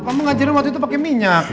kamu ngajarin waktu itu pakai minyak